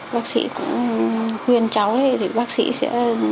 bác sĩ cũng khuyên cháu thì bác sĩ sẽ